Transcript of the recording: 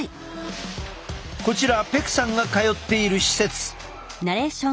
こちらペクさんが通っている施設。